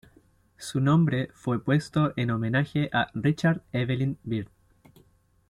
Su nombre fue puesto en homenaje a Richard Evelyn Byrd.